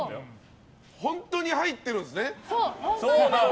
本当に入ってるんですね。